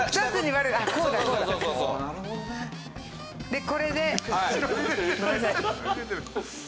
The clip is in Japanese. でこれで。